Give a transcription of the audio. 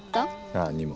何にも。